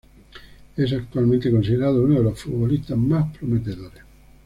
Es actualmente considerado uno de los futbolistas más prometedores.